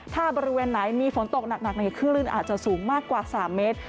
ถ้าบริเวณไหนมีฝนตกหนักในคลื่นอาจจะสูงมากกว่า๓เมตร